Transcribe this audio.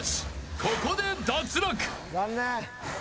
ここで脱落。